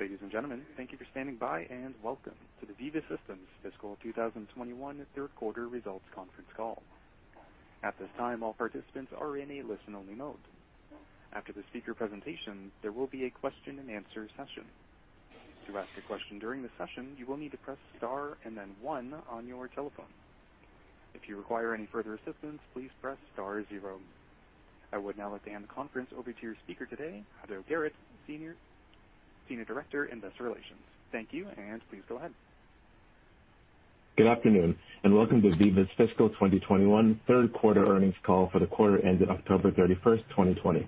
Ladies and gentlemen, thank you for standing by, and welcome to the Veeva Systems Fiscal 2021 Q3 Results Conference Call. At this time, all participants are in a listen-only mode. After the speaker presentation, there will be a question and answer session. I would now like to hand the conference over to your speaker today, Ato Garrett, Senior Director, Investor Relations. Thank you, and please go ahead. Good afternoon, and welcome to Veeva's fiscal 2021 Q3 earnings call for the quarter ended October 31st, 2020.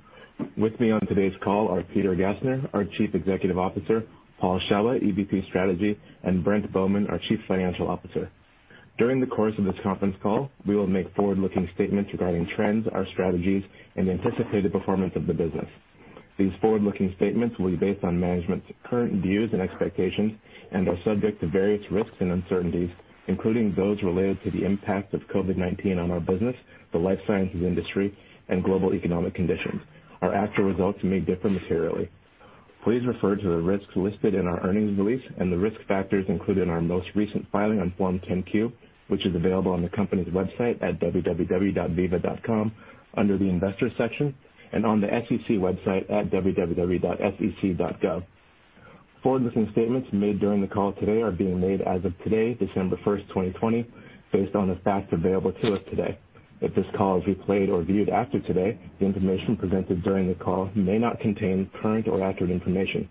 With me on today's call are Peter Gassner, our Chief Executive Officer, Paul Shawah, EVP of Strategy, and Brent Bowman, our Chief Financial Officer. During the course of this conference call, we will make forward-looking statements regarding trends, our strategies, and anticipated performance of the business. These forward-looking statements will be based on management's current views and expectations and are subject to various risks and uncertainties, including those related to the impact of COVID-19 on our business, the life sciences industry, and global economic conditions. Our actual results may differ materially. Please refer to the risks listed in our earnings release and the risk factors included in our most recent filing on Form 10-Q, which is available on the company's website at www.veeva.com under the Investors section and on the SEC website at www.sec.gov. Forward-looking statements made during the call today are being made as of today, December 1st, 2020, based on the facts available to us today. If this call is replayed or viewed after today, the information presented during the call may not contain current or accurate information.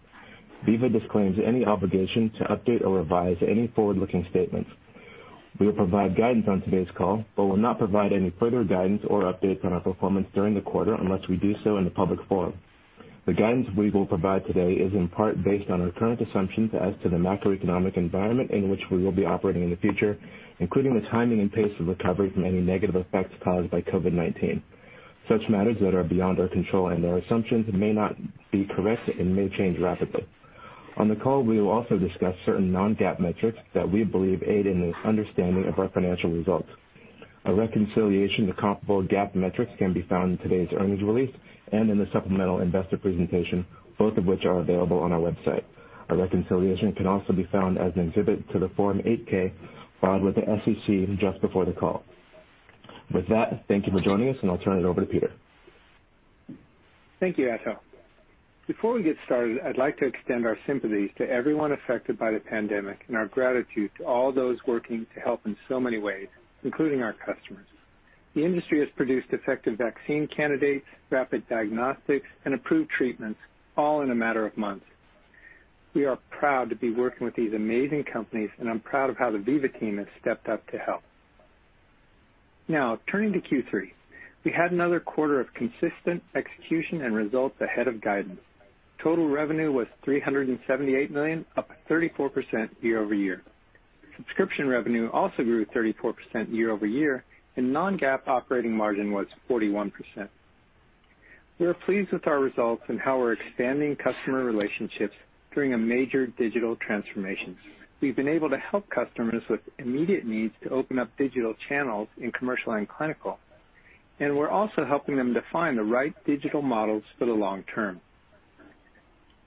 Veeva disclaims any obligation to update or revise any forward-looking statements. We will provide guidance on today's call, but will not provide any further guidance or updates on our performance during the quarter unless we do so in a public forum. The guidance we will provide today is in part based on our current assumptions as to the macroeconomic environment in which we will be operating in the future, including the timing and pace of recovery from any negative effects caused by COVID-19. Such matters that are beyond our control and our assumptions may not be correct and may change rapidly. On the call, we will also discuss certain non-GAAP metrics that we believe aid in the understanding of our financial results. A reconciliation to comparable GAAP metrics can be found in today's earnings release and in the supplemental investor presentation, both of which are available on our website. A reconciliation can also be found as an exhibit to the Form 8-K filed with the SEC just before the call. With that, thank you for joining us, and I'll turn it over to Peter. Thank you, Ato. Before we get started, I'd like to extend our sympathies to everyone affected by the pandemic and our gratitude to all those working to help in so many ways, including our customers. The industry has produced effective vaccine candidates, rapid diagnostics, and approved treatments, all in a matter of months. We are proud to be working with these amazing companies, I'm proud of how the Veeva team has stepped up to help. Now, turning to Q3. We had another quarter of consistent execution and results ahead of guidance. Total revenue was $378 million, up 34% year-over-year. Subscription revenue also grew 34% year-over-year. Non-GAAP operating margin was 41%. We are pleased with our results and how we're expanding customer relationships during a major digital transformation. We've been able to help customers with immediate needs to open up digital channels in commercial and clinical, and we're also helping them define the right digital models for the long term.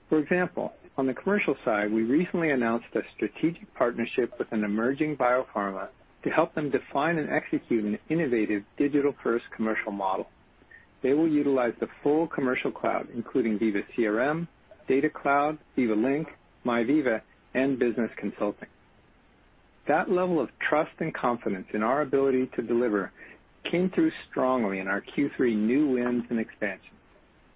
For example, on the commercial side, we recently announced a strategic partnership with an emerging biopharma to help them define and execute an innovative digital-first commercial model. They will utilize the full commercial cloud, including Veeva CRM, Data Cloud, Veeva Link, MyVeeva, and business consulting. That level of trust and confidence in our ability to deliver came through strongly in our Q3 new wins and expansions.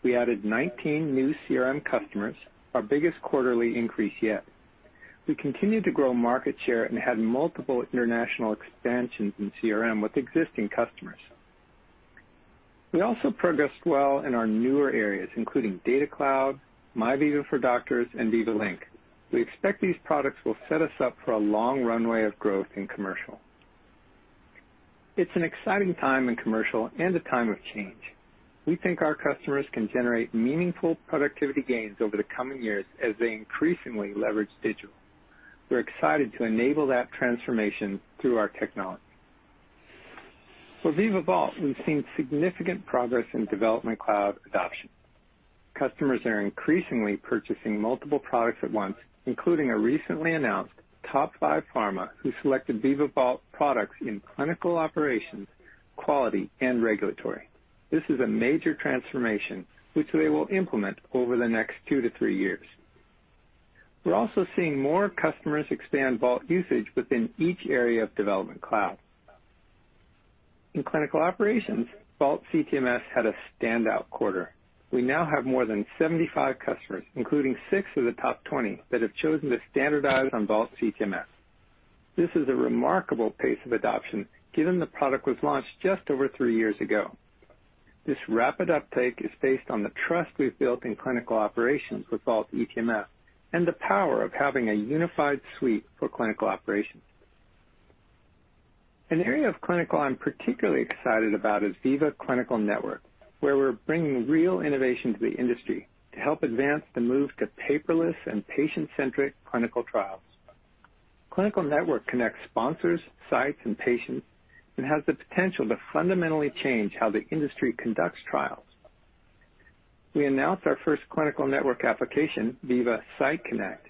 We added 19 new CRM customers, our biggest quarterly increase yet. We continued to grow market share and had multiple international expansions in CRM with existing customers. We also progressed well in our newer areas, including Data Cloud, MyVeeva for Doctors, and Veeva Link. We expect these products will set us up for a long runway of growth in commercial. It's an exciting time in commercial and a time of change. We think our customers can generate meaningful productivity gains over the coming years as they increasingly leverage digital. We're excited to enable that transformation through our technology. For Veeva Vault, we've seen significant progress in Veeva Development Cloud adoption. Customers are increasingly purchasing multiple products at once, including a recently announced top 5 pharma who selected Veeva Vault products in clinical operations, quality, and regulatory. This is a major transformation which they will implement over the next two-three years. We're also seeing more customers expand Vault usage within each area of Veeva Development Cloud. In clinical operations, Veeva Vault CTMS had a standout quarter. We now have more than 75 customers, including 6 of the top 20, that have chosen to standardize on Veeva Vault CTMS. This is a remarkable pace of adoption given the product was launched just over three years ago. This rapid uptake is based on the trust we've built in clinical operations with Veeva Vault CTMS and the power of having a unified suite for clinical operations. An area of clinical I'm particularly excited about is Veeva Clinical Network, where we're bringing real innovation to the industry to help advance the move to paperless and patient-centric clinical trials. Clinical Network connects sponsors, sites, and patients and has the potential to fundamentally change how the industry conducts trials. We announced our first clinical network application, Veeva Vault Site Connect,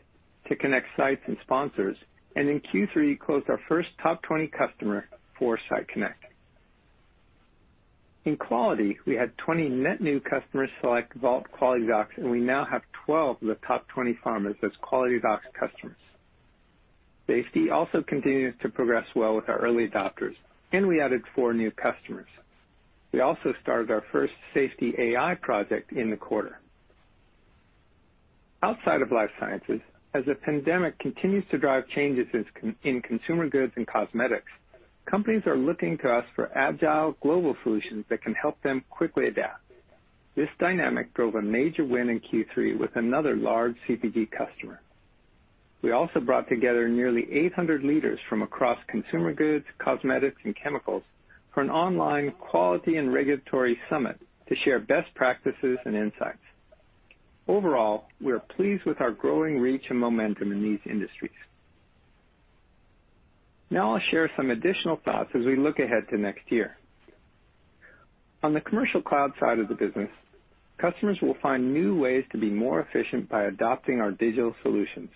to connect sites and sponsors, and in Q3 closed our first top 20 customer for Veeva Vault Site Connect. In quality, we had 20 net new customers select Vault QualityDocs, and we now have 12 of the top 20 pharmas as QualityDocs customers. Safety also continues to progress well with our early adopters, and we added four new customers. We also started our first safety AI project in the quarter. Outside of life sciences, as the pandemic continues to drive changes in consumer goods and cosmetics, companies are looking to us for agile global solutions that can help them quickly adapt. This dynamic drove a major win in Q3 with another large CPG customer. We also brought together nearly 800 leaders from across consumer goods, cosmetics, and chemicals for an online quality and regulatory summit to share best practices and insights. Overall, we are pleased with our growing reach and momentum in these industries. I'll share some additional thoughts as we look ahead to next year. On the Commercial Cloud side of the business, customers will find new ways to be more efficient by adopting our digital solutions.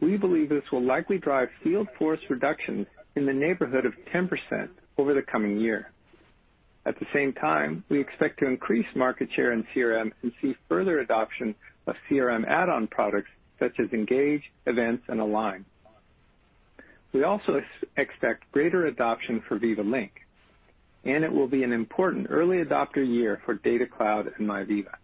We believe this will likely drive field force reduction in the neighborhood of 10% over the coming year. At the same time, we expect to increase market share in CRM and see further adoption of CRM add-on products such as Engage, Events, and Align. We also expect greater adoption for Veeva Link, and it will be an important early adopter year for Data Cloud and MyVeeva.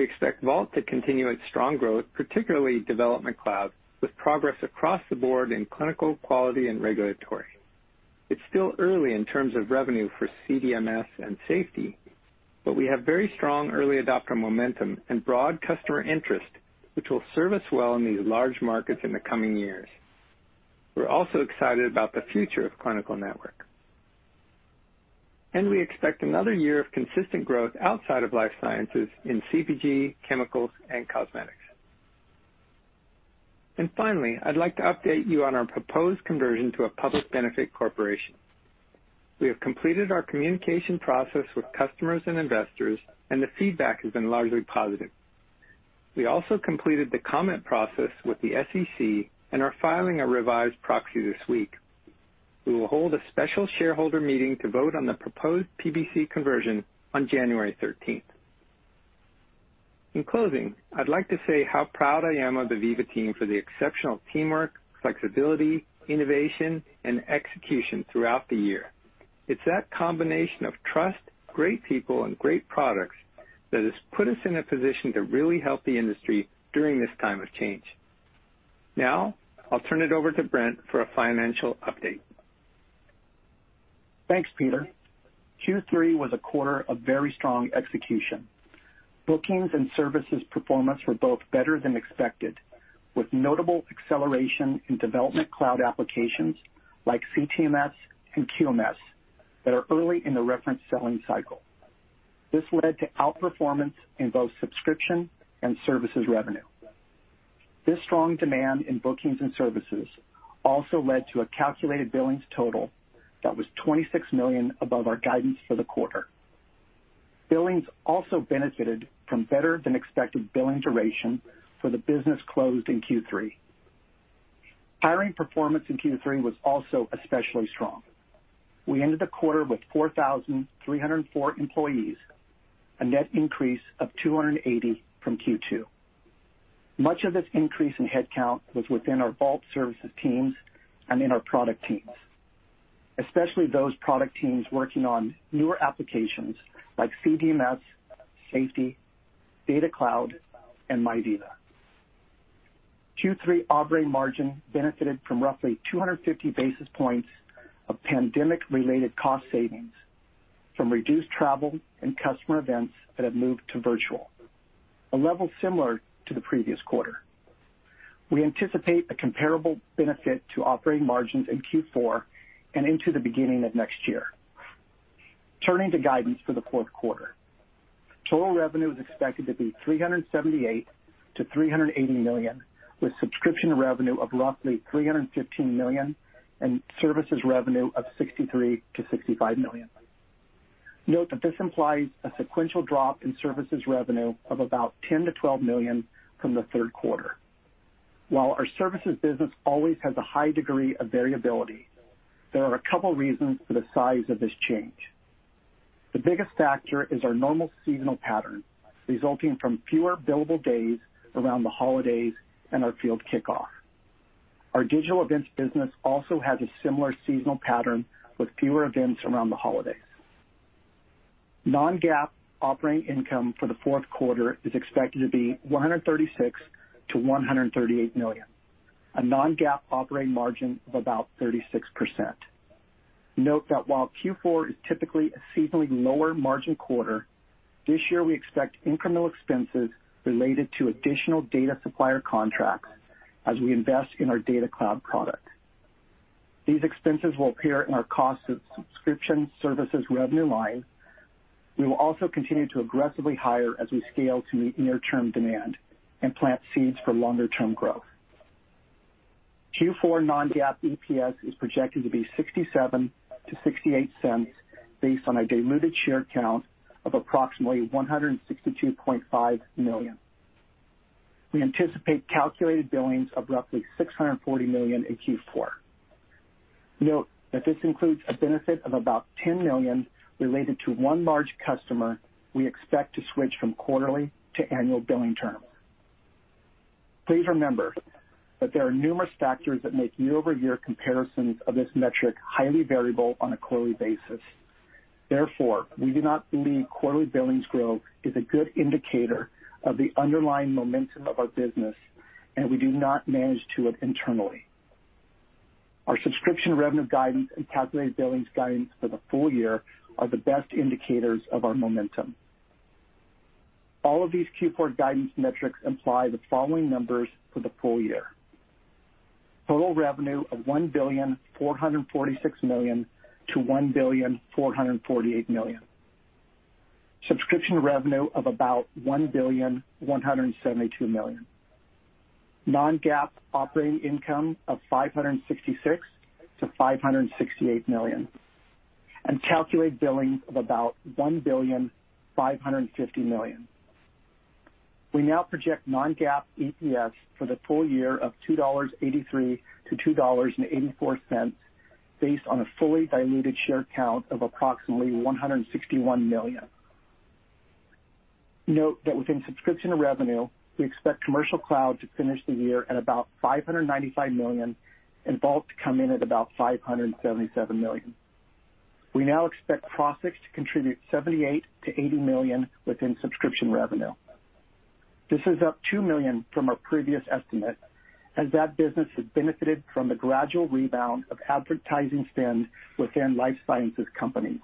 We expect Vault to continue its strong growth, particularly Development Cloud, with progress across the board in clinical, quality, and regulatory. It's still early in terms of revenue for CDMS and safety, but we have very strong early adopter momentum and broad customer interest, which will serve us well in these large markets in the coming years. We're also excited about the future of Clinical Network. We expect another year of consistent growth outside of life sciences in CPG, chemicals, and cosmetics. Finally, I'd like to update you on our proposed conversion to a public benefit corporation. We have completed our communication process with customers and investors, and the feedback has been largely positive. We also completed the comment process with the SEC and are filing a revised proxy this week. We will hold a special shareholder meeting to vote on the proposed PBC conversion on January 13th. In closing, I'd like to say how proud I am of the Veeva team for the exceptional teamwork, flexibility, innovation, and execution throughout the year. It's that combination of trust, great people, and great products that has put us in a position to really help the industry during this time of change. I'll turn it over to Brent for a financial update. Thanks, Peter. Q3 was a quarter of very strong execution. Bookings and services performance were both better than expected, with notable acceleration in Development Cloud applications like CTMS and QMS that are early in the reference selling cycle. This led to outperformance in both subscription and services revenue. This strong demand in bookings and services also led to a calculated billings total that was $26 million above our guidance for the quarter. Billings also benefited from better than expected billing duration for the business closed in Q3. Hiring performance in Q3 was also especially strong. We ended the quarter with 4,304 employees, a net increase of 280 from Q2. Much of this increase in headcount was within our Vault services teams and in our product teams, especially those product teams working on newer applications like CDMS, Safety, Data Cloud, and MyVeeva. Q3 operating margin benefited from roughly 250 basis points of pandemic-related cost savings from reduced travel and customer events that have moved to virtual, a level similar to the previous quarter. We anticipate a comparable benefit to operating margins in Q4 and into the beginning of next year. Turning to guidance for the Q4. Total revenue is expected to be $378 million-$380 million, with subscription revenue of roughly $315 million and services revenue of $63 million-$65 million. Note that this implies a sequential drop in services revenue of about $10 million-$12 million from the Q3. While our services business always has a high degree of variability, there are a couple reasons for the size of this change. The biggest factor is our normal seasonal pattern, resulting from fewer billable days around the holidays and our field kickoff. Our digital events business also has a similar seasonal pattern with fewer events around the holidays. Non-GAAP operating income for the Q4 is expected to be $136 million-$138 million, a non-GAAP operating margin of about 36%. Note that while Q4 is typically a seasonally lower margin quarter, this year we expect incremental expenses related to additional data supplier contracts as we invest in our Data Cloud product. These expenses will appear in our cost of subscription services revenue line. We will also continue to aggressively hire as we scale to meet near-term demand and plant seeds for longer-term growth. Q4 non-GAAP EPS is projected to be $0.67-$0.68 based on a diluted share count of approximately 162.5 million. We anticipate calculated billings of roughly $640 million in Q4. Note that this includes a benefit of about $10 million related to one large customer we expect to switch from quarterly to annual billing terms. Please remember that there are numerous factors that make year-over-year comparisons of this metric highly variable on a quarterly basis. We do not believe quarterly billings growth is a good indicator of the underlying momentum of our business, and we do not manage to it internally. Our subscription revenue guidance and calculated billings guidance for the full year are the best indicators of our momentum. All of these Q4 guidance metrics imply the following numbers for the full year. Total revenue of $1.446 billion-$1.448 billion. Subscription revenue of about $1.172 billion. Non-GAAP operating income of $566 million-$568 million. Calculated billings of about $1.55 billion. We now project non-GAAP EPS for the full year of $2.83-$2.84 based on a fully diluted share count of approximately 161 million. Note that within subscription revenue, we expect Commercial Cloud to finish the year at about $595 million and Vault to come in at about $577 million. We now expect Crossix to contribute $78 million-$80 million within subscription revenue. This is up $2 million from our previous estimate, as that business has benefited from the gradual rebound of advertising spend within life sciences companies.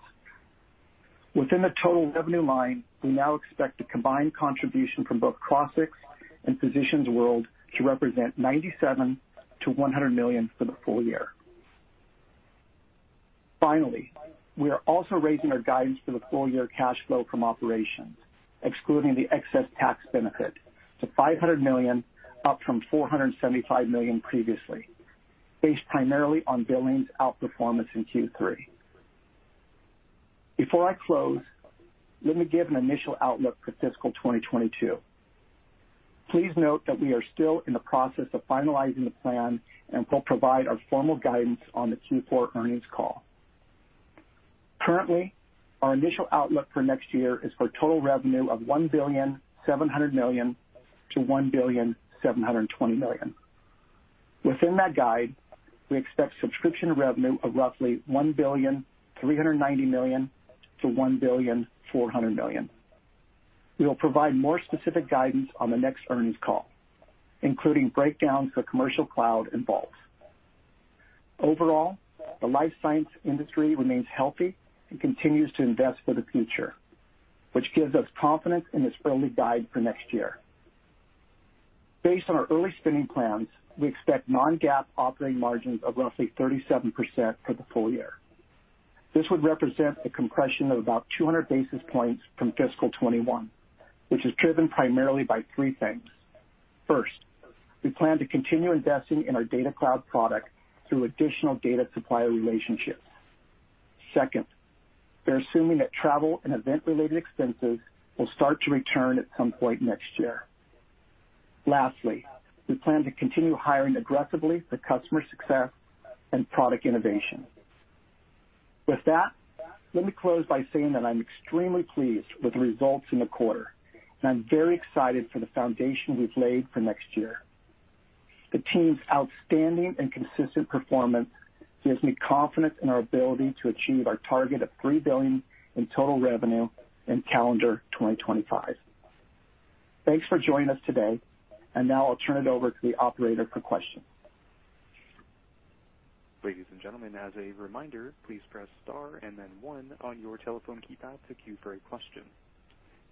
Within the total revenue line, we now expect a combined contribution from both Crossix and Physicians World to represent $97 million-$100 million for the full year. Finally, we are also raising our guidance for the full year cash flow from operations, excluding the excess tax benefit, to $500 million, up from $475 million previously, based primarily on billings outperformance in Q3. Before I close, let me give an initial outlook for fiscal 2022. Please note that we are still in the process of finalizing the plan and will provide our formal guidance on the Q4 earnings call. Currently, our initial outlook for next year is for total revenue of $1.7 billion to $1.72 billion. Within that guide, we expect subscription revenue of roughly $1.39 billion to $1.4 billion. We will provide more specific guidance on the next earnings call, including breakdowns for Commercial Cloud and Vault. Overall, the life science industry remains healthy and continues to invest for the future, which gives us confidence in this early guide for next year. Based on our early spending plans, we expect non-GAAP operating margins of roughly 37% for the full year. This would represent a compression of about 200 basis points from fiscal 2021, which is driven primarily by three things. First, we plan to continue investing in our Data Cloud product through additional data supplier relationships. We're assuming that travel and event-related expenses will start to return at some point next year. We plan to continue hiring aggressively for customer success and product innovation. With that, let me close by saying that I'm extremely pleased with the results in the quarter, and I'm very excited for the foundation we've laid for next year. The team's outstanding and consistent performance gives me confidence in our ability to achieve our target of $3 billion in total revenue in calendar 2025. Thanks for joining us today. Now I'll turn it over to the operator for questions. Ladies and gentlemen, as a reminder, please press star and then one on your telephone keypad to queue for a question.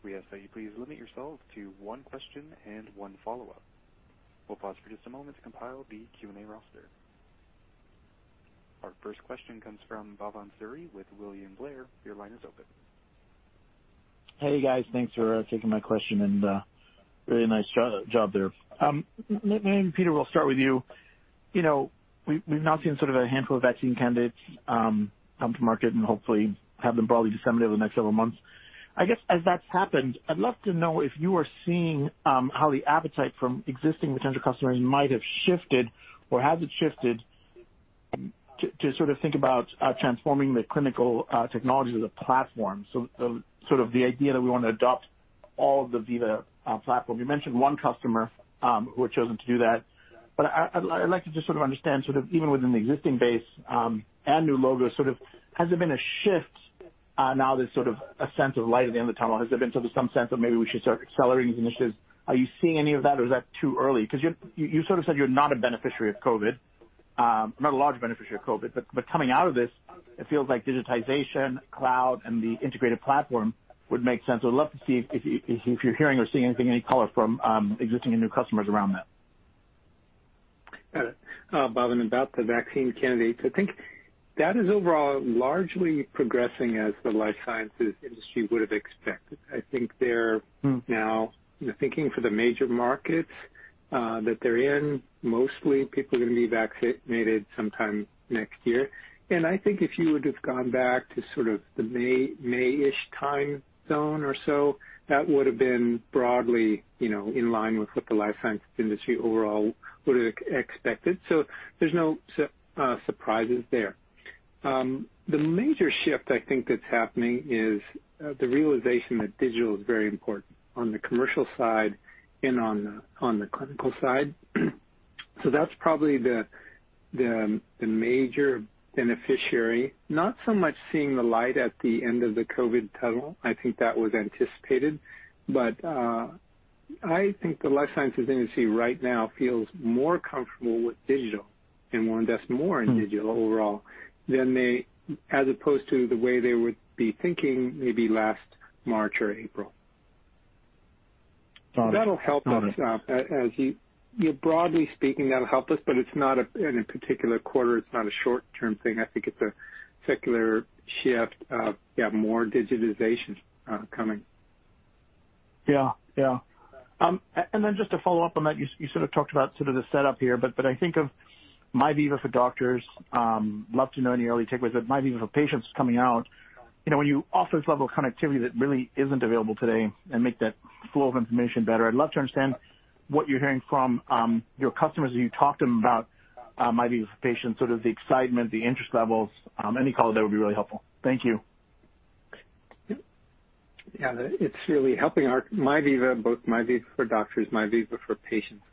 We ask that you please limit yourself to one question and one follow-up. We'll pause for just a moment to compile the Q&A roster. Our first question comes from Bhavan Suri with William Blair. Your line is open. Hey, guys, thanks for taking my question, really nice job there. Maybe, Peter, we'll start with you. You know, we've now seen sort of a handful of vaccine candidates come to market and hopefully have them broadly disseminated over the next several months. I guess as that's happened, I'd love to know if you are seeing how the appetite from existing potential customers might have shifted or has it shifted to sort of think about transforming the clinical technology as a platform. Sort of the idea that we wanna adopt all of the Veeva platform. You mentioned one customer who had chosen to do that. I'd like to just sort of understand even within the existing base and new logos, has there been a shift now there's sort of a sense of light at the end of the tunnel? Has there been sort of some sense of maybe we should start accelerating these initiatives? Are you seeing any of that, or is that too early? 'Cause you sort of said you're not a beneficiary of COVID, not a large beneficiary of COVID, coming out of this, it feels like digitization, cloud, and the integrated platform would make sense. I would love to see if you're hearing or seeing anything, any color from existing and new customers around that. Got it. Bhavan, about the vaccine candidates, I think that is overall largely progressing as the life sciences industry would have expected. Now thinking for the major markets that they're in, mostly people are gonna be vaccinated sometime next year. I think if you would have gone back to sort of the May-ish time zone or so, that would've been broadly, you know, in line with what the life sciences industry overall would've expected. There's no surprises there. The major shift I think that's happening is the realization that digital is very important on the commercial side and on the clinical side. That's probably the major beneficiary, not so much seeing the light at the end of the COVID tunnel, I think that was anticipated, but I think the life sciences industry right now feels more comfortable with digital and wanna invest more. -in digital overall than they as opposed to the way they would be thinking maybe last March or April. Got it. Got it. That'll help us, broadly speaking, that'll help us, but it's not in a particular quarter, it's not a short-term thing. I think it's a secular shift of more digitization coming. Yeah. Yeah. Just to follow up on that, you sort of talked about sort of the setup here, but I think of MyVeeva for Doctors. I'd love to know any early takeaways, but MyVeeva for Patients coming out. You know, when you offer this level of connectivity that really isn't available today and make that flow of information better, I'd love to understand what you're hearing from your customers as you talk to them about MyVeeva for Patients, sort of the excitement, the interest levels. Any color there would be really helpful. Thank you. It's really helping our MyVeeva, both MyVeeva for Doctors, MyVeeva for Patients,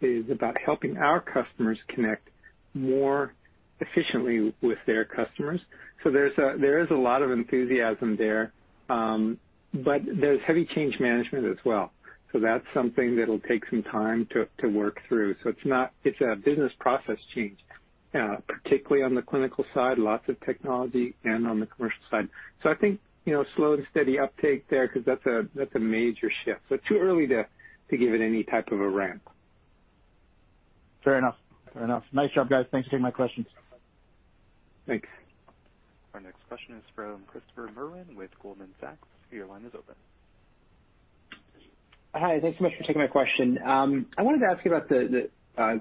is about helping our customers connect more efficiently with their customers. There's a lot of enthusiasm there, but there's heavy change management as well. That's something that'll take some time to work through. It's a business process change, particularly on the clinical side, lots of technology and on the commercial side. I think, you know, slow and steady uptake there because that's a major shift. Too early to give it any type of a ramp. Fair enough. Fair enough. Nice job, guys. Thanks for taking my questions. Thanks. Our next question is from Christopher Merwin with Goldman Sachs. Your line is open. Hi. Thanks so much for taking my question. I wanted to ask you about the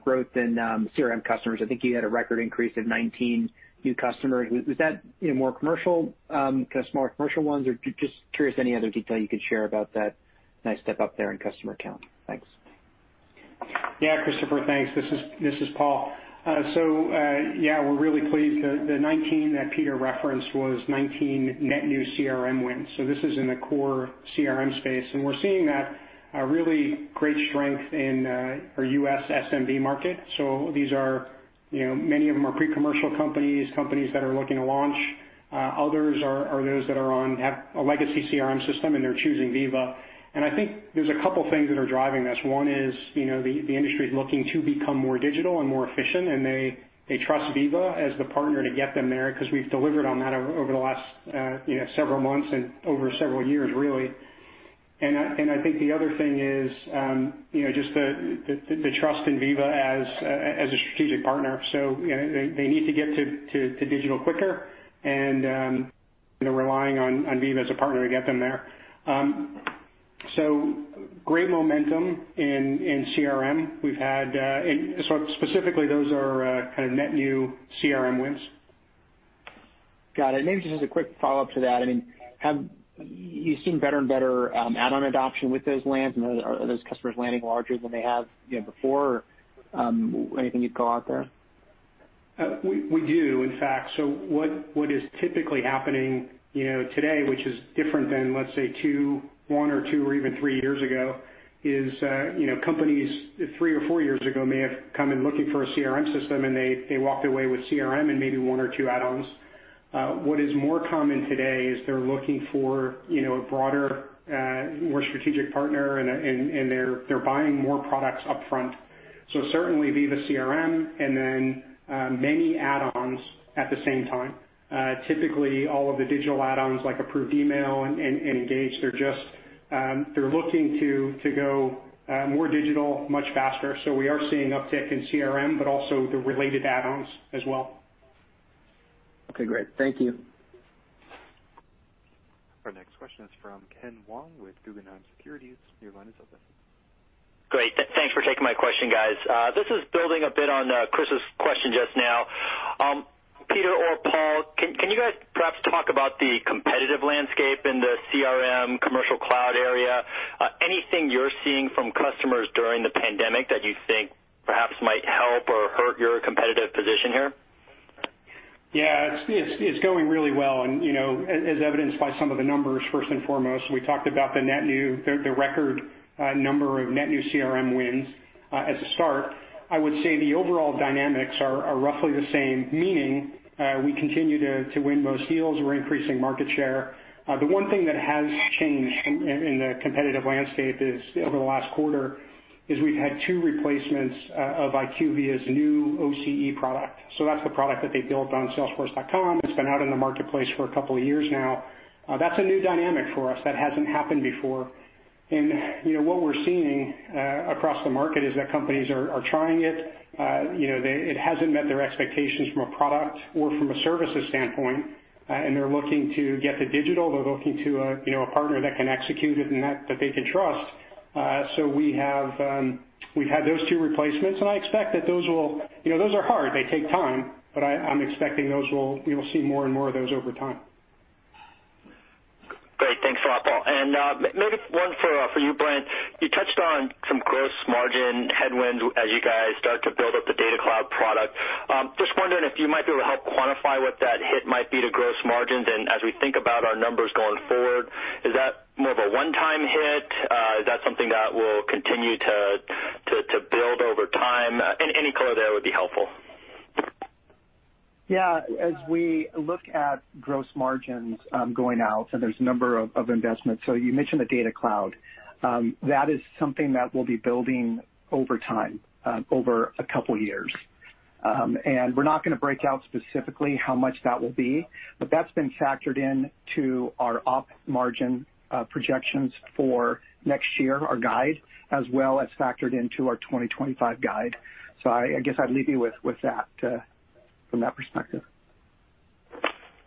growth in CRM customers. I think you had a record increase of 19 new customers. Was that, you know, more commercial, kind of smaller commercial ones? Or just curious any other detail you could share about that nice step up there in customer count. Thanks. Yeah, Christopher, thanks. This is Paul. Yeah, we're really pleased. The 19 that Peter referenced was 19 net new CRM wins, so this is in the core CRM space. We're seeing that really great strength in our U.S. SMB market. These are, you know, many of them are pre-commercial companies that are looking to launch. Others are those that have a legacy CRM system, and they're choosing Veeva. I think there's a couple things that are driving this. The industry is looking to become more digital and more efficient, and they trust Veeva as the partner to get them there because we've delivered on that over the last, you know, several months and over several years, really. I think the other thing is, you know, just the trust in Veeva as a strategic partner. You know, they need to get to digital quicker and they're relying on Veeva as a partner to get them there. Great momentum in CRM. Specifically, those are kind of net new CRM wins. Got it. Maybe just as a quick follow-up to that, I mean, have you seen better and better add-on adoption with those lands? Are those customers landing larger than they have, you know, before? Anything you'd call out there? We do. In fact, what is typically happening, you know, today, which is different than, let's say, two, one or two or even three years ago, is, you know, companies three or four years ago may have come in looking for a CRM system, and they walked away with CRM and maybe one or two add-ons. What is more common today is they're looking for, you know, a broader, more strategic partner, and they're buying more products upfront. Certainly Veeva CRM and then many add-ons at the same time. Typically all of the digital add-ons like Approved Email and Engage, they're just, they're looking to go more digital much faster. We are seeing uptick in CRM, but also the related add-ons as well. Okay, great. Thank you. Our next question is from Ken Wong with Guggenheim Securities. Your line is open. Great. Thanks for taking my question, guys. This is building a bit on Chris's question just now. Peter or Paul, can you guys perhaps talk about the competitive landscape in the CRM commercial cloud area? Anything you're seeing from customers during the pandemic that you think perhaps might help or hurt your competitive position here? Yeah, it's going really well, you know, as evidenced by some of the numbers, first and foremost. We talked about the net new, the record number of net new CRM wins as a start. I would say the overall dynamics are roughly the same, meaning, we continue to win most deals. We're increasing market share. The one thing that has changed in the competitive landscape is, over the last quarter, we've had two replacements of IQVIA's new OCE product. That's the product that they built on Salesforce.com. It's been out in the marketplace for a couple of years now. That's a new dynamic for us. That hasn't happened before. You know, what we're seeing across the market is that companies are trying it. You know, it hasn't met their expectations from a product or from a services standpoint. They're looking to get to digital. They're looking to a partner that can execute it and that they can trust. We've had those two replacements. I expect that those will. You know, those are hard. They take time. I'm expecting we will see more and more of those over time. Great. Thanks a lot, Paul. Maybe one for you, Brent. You touched on some gross margin headwinds as you guys start to build up the Data Cloud product. Just wondering if you might be able to help quantify what that hit might be to gross margins. As we think about our numbers going forward, is that more of a one-time hit? Is that something that will continue to build over time? Any color there would be helpful. Yeah. As we look at gross margins, going out, and there's a number of investments. You mentioned the Data Cloud. That is something that we'll be building over time, over two years. We're not gonna break out specifically how much that will be, but that's been factored into our op margin projections for next year, our guide, as well as factored into our 2025 guide. I guess I'd leave you with that from that perspective.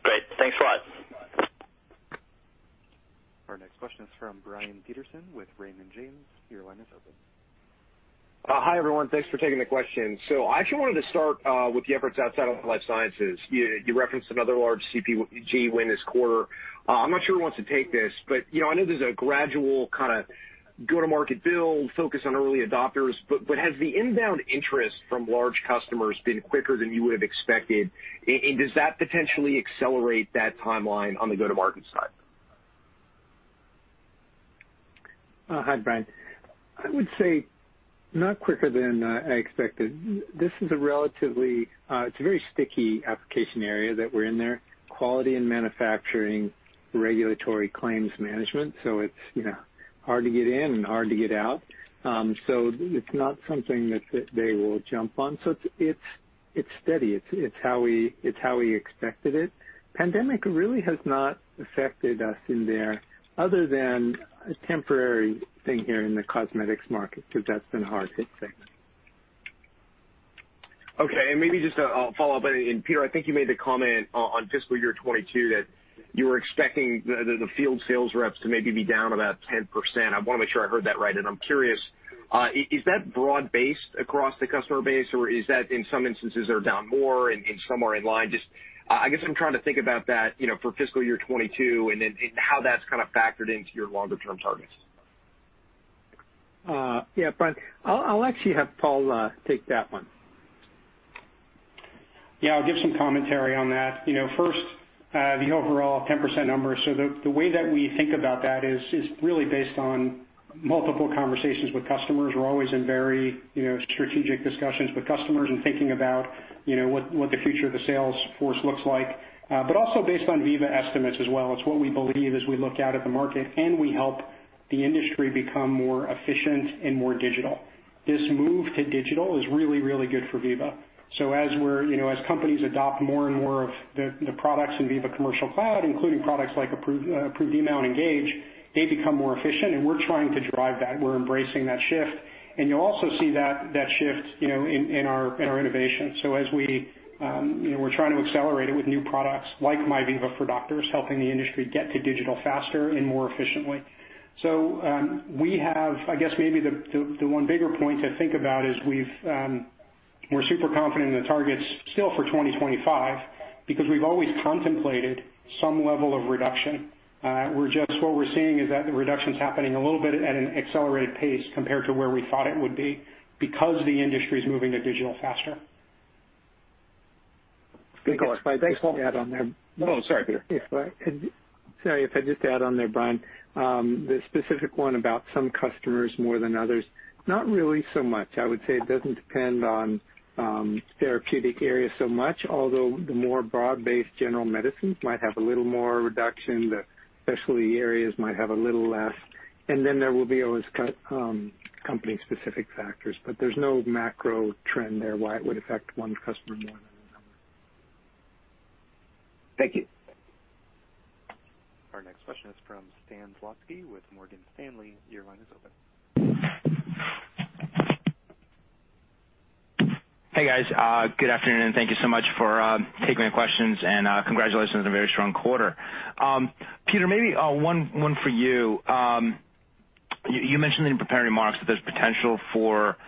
Great. Thanks a lot. Our next question is from Brian Peterson with Raymond James. Your line is open. Hi, everyone. Thanks for taking the question. I actually wanted to start with the efforts outside of life sciences. You referenced another large CPG win this quarter. I'm not sure who wants to take this, but, you know, I know there's a gradual kind of go-to-market build, focus on early adopters, but has the inbound interest from large customers been quicker than you would have expected? And does that potentially accelerate that timeline on the go-to-market side? Hi, Brian. I would say not quicker than I expected. This is a relatively, it's a very sticky application area that we're in there, quality and manufacturing regulatory claims management. It's, you know, hard to get in and hard to get out. It's not something that they will jump on. It's steady. It's how we expected it. Pandemic really has not affected us in there other than a temporary thing here in the cosmetics market, 'cause that's been hard-hit segment. Okay. Maybe just a follow-up. Peter, I think you made the comment on fiscal year 2022 that you were expecting the field sales reps to maybe be down about 10%. I wanna make sure I heard that right, and I'm curious, is that broad-based across the customer base, or is that in some instances they're down more and some are in line? Just, I guess I'm trying to think about that, you know, for fiscal year 2022 then, and how that's kinda factored into your longer-term targets. Yeah, Brian, I'll actually have Paul take that one. Yeah, I'll give some commentary on that. You know, first, the overall 10% number. The way that we think about that is really based on multiple conversations with customers. We're always in very, you know, strategic discussions with customers and thinking about, you know, what the future of the sales force looks like. Also based on Veeva estimates as well. It's what we believe as we look out at the market, and we help the industry become more efficient and more digital. This move to digital is really, really good for Veeva. As we're, you know, as companies adopt more and more of the products in Veeva Commercial Cloud, including products like Approved Email and Engage, they become more efficient, and we're trying to drive that. We're embracing that shift. You'll also see that shift, you know, in our, in our innovation. As we, you know, we're trying to accelerate it with new products like MyVeeva for Doctors, helping the industry get to digital faster and more efficiently. We have, I guess maybe the, the one bigger point to think about is we've, we're super confident in the targets still for 2025 because we've always contemplated some level of reduction. We're just what we're seeing is that the reduction's happening a little bit at an accelerated pace compared to where we thought it would be because the industry's moving to digital faster. If I could just add on there. Oh, sorry, Peter. Sorry, if I could just add on there, Brian. The specific one about some customers more than others, not really so much. I would say it doesn't depend on therapeutic area so much, although the more broad-based general medicines might have a little more reduction. The specialty areas might have a little less. There will be always company-specific factors, but there's no macro trend there why it would affect one customer more than another. Thank you. Our next question is from Stan Zlotsky with Morgan Stanley. Your line is open. Hey, guys. Good afternoon. Thank you so much for taking my questions, and congratulations on a very strong quarter. Peter, maybe one for you. You mentioned in your prepared remarks that there's potential for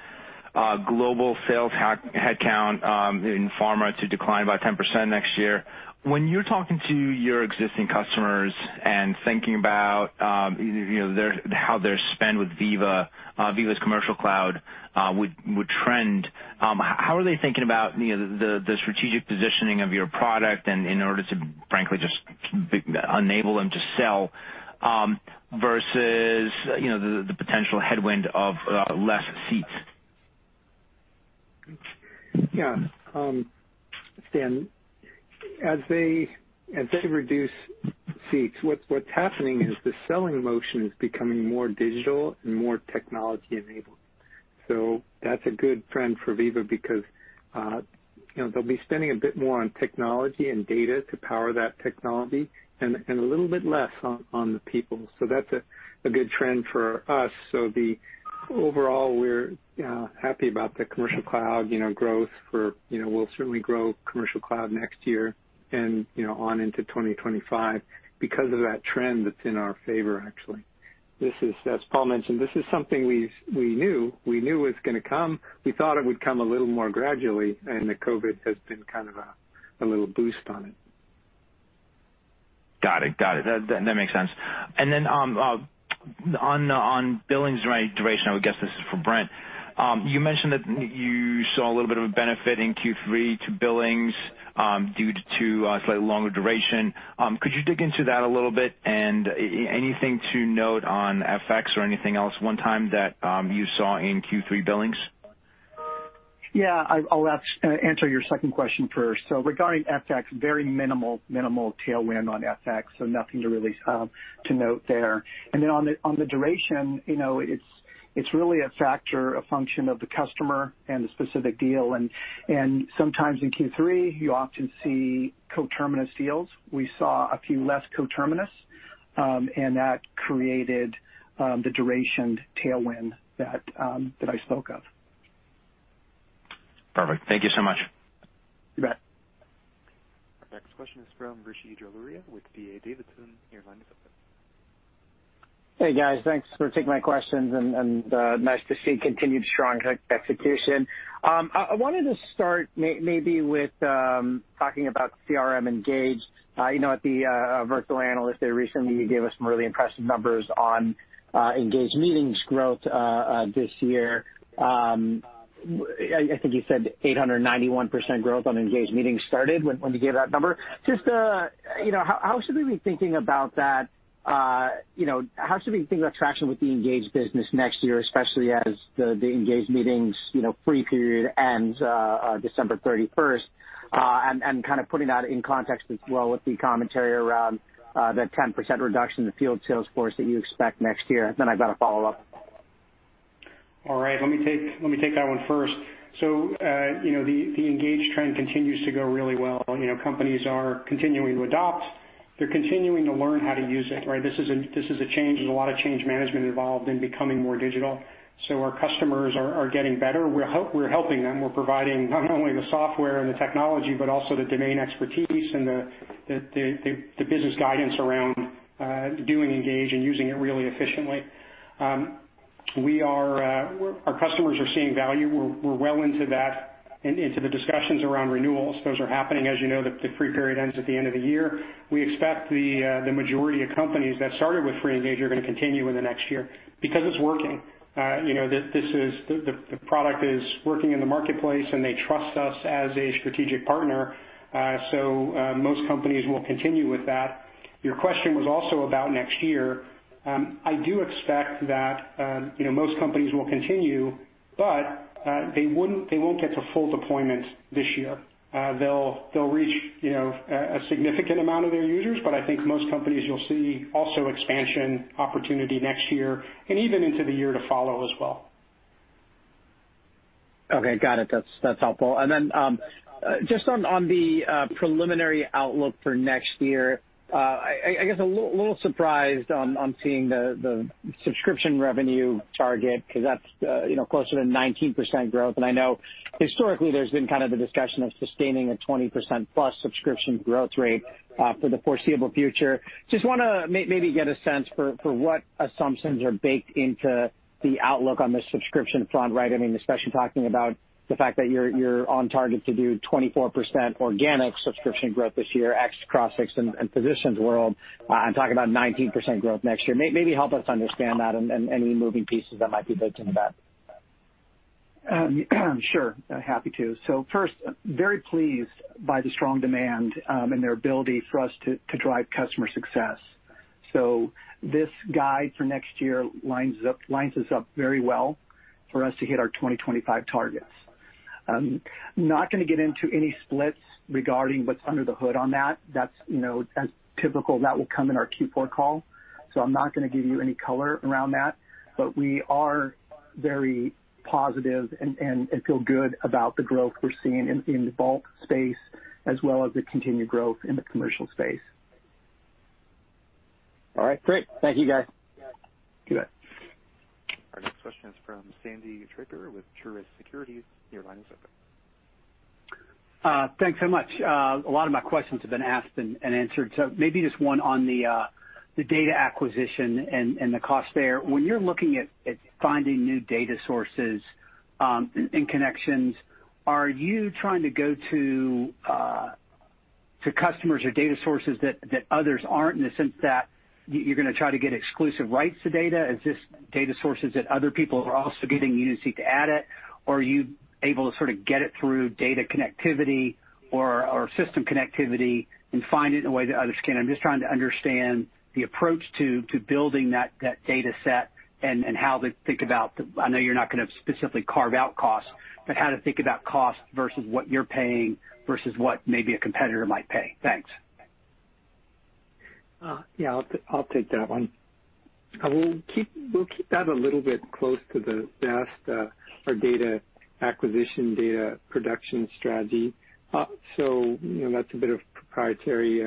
global sales headcount in pharma to decline by 10% next year. When you're talking to your existing customers and thinking about, you know, how their spend with Veeva Commercial Cloud would trend, how are they thinking about, you know, the strategic positioning of your product and in order to frankly just enable them to sell, versus, you know, the potential headwind of less seats? Stan, as they reduce seats, what's happening is the selling motion is becoming more digital and more technology-enabled. That's a good trend for Veeva because, you know, they'll be spending a bit more on technology and data to power that technology and a little bit less on the people. That's a good trend for us. The overall, we're happy about the commercial cloud, you know, growth for, we'll certainly grow commercial cloud next year and, you know, on into 2025 because of that trend that's in our favor, actually. This is, as Paul mentioned, this is something we knew. We knew it was gonna come. We thought it would come a little more gradually, the COVID has been kind of a little boost on it. Got it. Got it. That makes sense. Then on billings right duration, I would guess this is for Brent. You mentioned that you saw a little bit of a benefit in Q3 to billings due to slightly longer duration. Could you dig into that a little bit? Anything to note on FX or anything else one time that you saw in Q3 billings? Yeah. I'll answer your second question first. Regarding FX, very minimal tailwind on FX, so nothing to really to note there. On the duration, you know, it's really a factor, a function of the customer and the specific deal. Sometimes in Q3, you often see coterminus deals. We saw a few less coterminus, and that created the duration tailwind that I spoke of. Perfect. Thank you so much. You bet. Our next question is from Rishi Jaluria with D.A. Davidson. Your line is open. Hey, guys. Thanks for taking my questions and nice to see continued strong execution. I wanted to start maybe with talking about Veeva CRM Engage. You know, at the vertical analyst day recently, you gave us some really impressive numbers on Veeva CRM Engage Meeting growth this year. I think you said 891% growth on Veeva CRM Engage Meeting started when you gave that number. Just, you know, how should we be thinking about that? You know, how should we think about traction with the Engage business next year, especially as the Veeva CRM Engage Meeting, you know, free period ends December 31st? Kind of putting that in context as well with the commentary around the 10% reduction in the field sales force that you expect next year. I've got a follow-up. All right. Let me take that one first. You know, the Engage trend continues to go really well. You know, companies are continuing to adopt. They're continuing to learn how to use it, right? This is a change. There's a lot of change management involved in becoming more digital. Our customers are getting better. We're helping them. We're providing not only the software and the technology, but also the domain expertise and the business guidance around doing Engage and using it really efficiently. Our customers are seeing value. We're well into that, into the discussions around renewals. Those are happening. As you know, the free period ends at the end of the year. We expect the majority of companies that started with free Engage are gonna continue in the next year because it's working. You know, this is the product is working in the marketplace, and they trust us as a strategic partner, so most companies will continue with that. Your question was also about next year. I do expect that, you know, most companies will continue, but they won't get to full deployment this year. They'll reach, you know, a significant amount of their users, but I think most companies you'll see also expansion opportunity next year and even into the year to follow as well. Okay. Got it. That's helpful. Then just on the preliminary outlook for next year, I guess a little surprised on seeing the subscription revenue target 'cause that's, you know, closer to 19% growth. I know historically there's been kind of a discussion of sustaining a 20%+ subscription growth rate for the foreseeable future. Just wanna maybe get a sense for what assumptions are baked into the outlook on the subscription front, right? I mean, especially talking about the fact that you're on target to do 24% organic subscription growth this year, ex Crossix and Physicians World, and talking about 19% growth next year. Maybe help us understand that and any moving pieces that might be baked into that. Sure. Happy to. First, very pleased by the strong demand, and their ability for us to drive customer success. This guide for next year lines us up very well for us to hit our 2025 targets. Not gonna get into any splits regarding what's under the hood on that. That's, you know, as typical, that will come in our Q4 call. I'm not gonna give you any color around that, but we are very positive and feel good about the growth we're seeing in the Vault space as well as the continued growth in the commercial space. All right. Great. Thank you, guys. You bet. Our next question is from Sandy Draper with Truist Securities. Your line is open. Thanks so much. A lot of my questions have been asked and answered. Maybe just one on the data acquisition and the cost there. When you're looking at finding new data sources and connections, are you trying to go to customers or data sources that others aren't in the sense that you're gonna try to get exclusive rights to data? Is this data sources that other people are also getting, and you just need to add it? Or are you able to sort of get it through data connectivity or system connectivity and find it in a way that others can't? I'm just trying to understand the approach to building that data set and how to think about, I know you're not gonna specifically carve out costs, but how to think about cost versus what you're paying versus what maybe a competitor might pay. Thanks. Yeah, I'll take that one. We'll keep that a little bit close to the vest, our data acquisition, data production strategy. You know, that's a bit of proprietary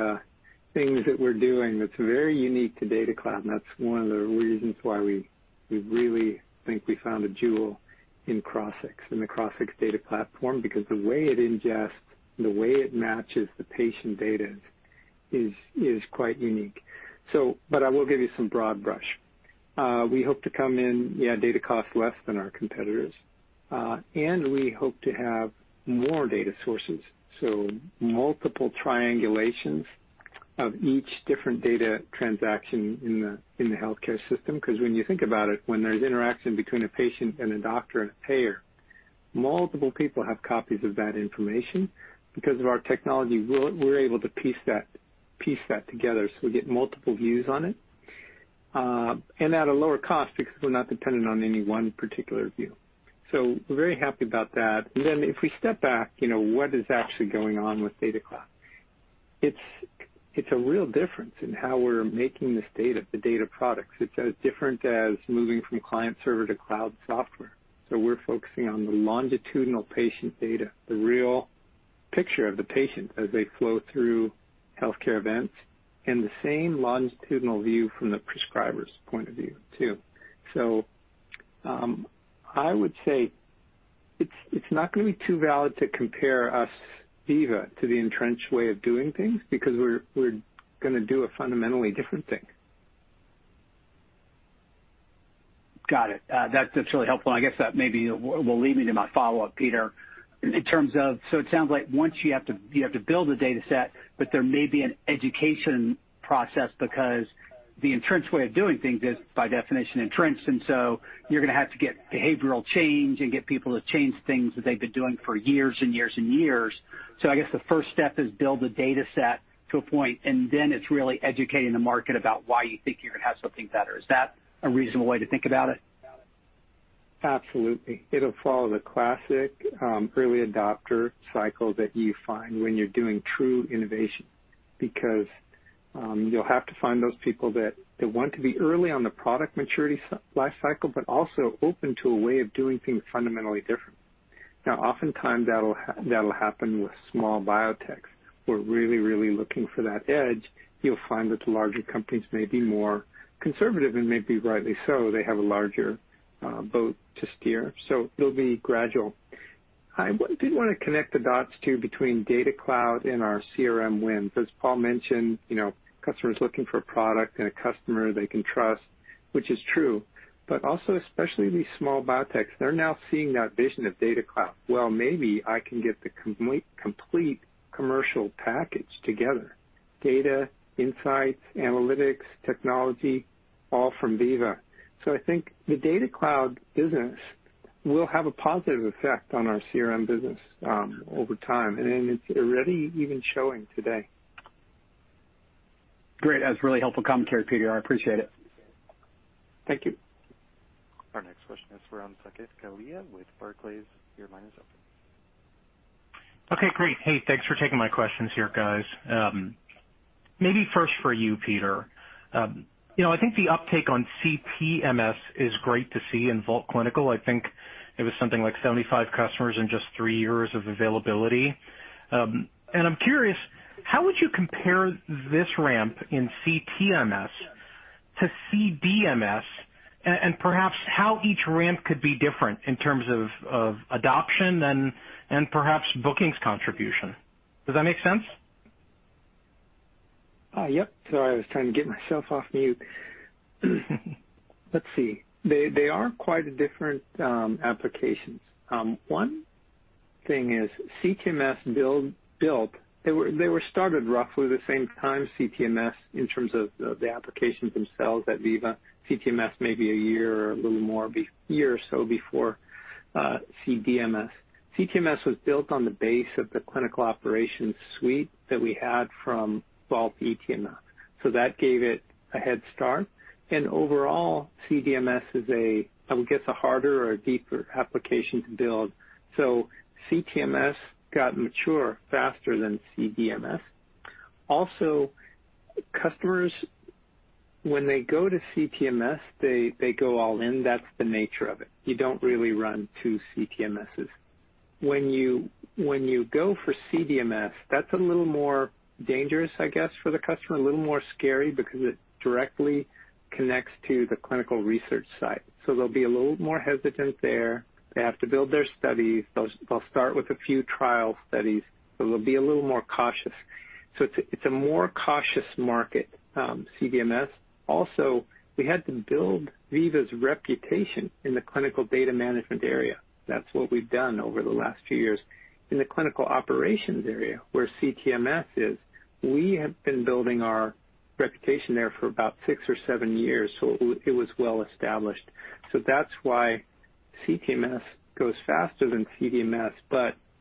things that we're doing that's very unique to Veeva Data Cloud, that's one of the reasons why we really think we found a jewel in Crossix, in the Crossix data platform. The way it ingests, the way it matches the patient data is quite unique. I will give you some broad brush. We hope to come in, yeah, data costs less than our competitors, we hope to have more data sources, multiple triangulations of each different data transaction in the healthcare system. When you think about it, when there's interaction between a patient and a doctor and a payer, multiple people have copies of that information. Because of our technology, we're able to piece that together, we get multiple views on it. At a lower cost because we're not dependent on any one particular view. We're very happy about that. If we step back, you know, what is actually going on with Data Cloud? It's a real difference in how we're making this data, the data products. It's as different as moving from client server to cloud software. We're focusing on the longitudinal patient data, the real picture of the patient as they flow through healthcare events, and the same longitudinal view from the prescriber's point of view too. I would say it's not gonna be too valid to compare us, Veeva, to the entrenched way of doing things because we're gonna do a fundamentally different thing. Got it. That's really helpful, and I guess that maybe will lead me to my follow-up, Peter. In terms of it sounds like once you have to build a data set, but there may be an education process because the entrenched way of doing things is by definition entrenched, and so you're gonna have to get behavioral change and get people to change things that they've been doing for years and years and years. I guess the first step is build a data set to a point, and then it's really educating the market about why you think you're gonna have something better. Is that a reasonable way to think about it? Absolutely. It'll follow the classic early adopter cycle that you find when you're doing true innovation. You'll have to find those people that want to be early on the product maturity lifecycle, but also open to a way of doing things fundamentally different. Now, oftentimes that'll happen with small biotechs, who are really looking for that edge. You'll find that the larger companies may be more conservative, and maybe rightly so. They have a larger boat to steer, so it'll be gradual. I did wanna connect the dots, too, between Data Cloud and our CRM win. Paul mentioned, you know, customers looking for a product and a customer they can trust, which is true. Especially these small biotechs, they're now seeing that vision of Data Cloud. Well, maybe I can get the complete commercial package together, data, insights, analytics, technology, all from Veeva. I think the Veeva Data Cloud business will have a positive effect on our CRM business over time, and it's already even showing today. Great. That was really helpful commentary, Peter. I appreciate it. Thank you. Our next question is for Saket Kalia with Barclays. Your line is open. Okay, great. Hey, thanks for taking my questions here, guys. Maybe first for you, Peter. You know, I think the uptake on CTMS is great to see in Vault Clinical. I think it was something like 75 customers in just three years of availability. I'm curious, how would you compare this ramp in CTMS to CDMS and perhaps how each ramp could be different in terms of adoption and perhaps bookings contribution? Does that make sense? Yep. Sorry, I was trying to get myself off mute. Let's see. They are quite different applications. One thing is CTMS built, they were started roughly the same time, CTMS, in terms of the applications themselves at Veeva. CTMS maybe a year or a little more year or so before CDMS. CTMS was built on the base of the clinical operations suite that we had from Vault eTMF. That gave it a head start. Overall, CDMS is a, I would guess, a harder or a deeper application to build. CTMS got mature faster than CDMS. Also, customers, when they go to CTMS, they go all in. That's the nature of it. You don't really run 2 CTMSs. When you go for CDMS, that's a little more dangerous, I guess, for the customer, a little more scary because it directly connects to the clinical research site. They'll be a little more hesitant there. They have to build their studies. They'll start with a few trial studies. They'll be a little more cautious. It's a more cautious market, CDMS. Also, we had to build Veeva's reputation in the clinical data management area. That's what we've done over the last few years. In the clinical operations area, where CTMS is, we have been building our reputation there for about six or seven years, so it was well established. That's why CTMS goes faster than CDMS.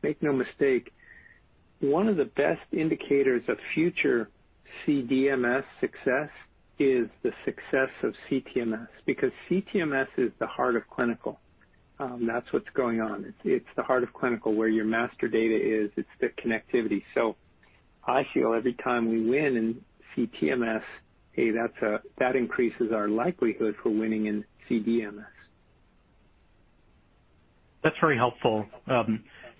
Make no mistake, one of the best indicators of future CDMS success is the success of CTMS, because CTMS is the heart of clinical. That's what's going on. It's the heart of clinical where your master data is. It's the connectivity. I feel every time we win in CTMS, that increases our likelihood for winning in CDMS. That's very helpful.